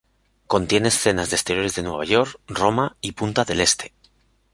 Contiene escenas de exteriores de Nueva York, Roma y Punta del Este.